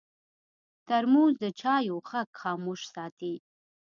ترموز د چایو غږ خاموش ساتي.